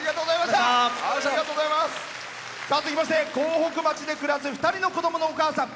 続きまして江北町で暮らす２人の子供のお母さん。